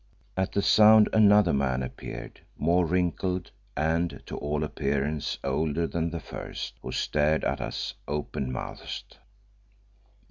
At the sound another man appeared, more wrinkled and to all appearance older than the first, who stared at us open mouthed.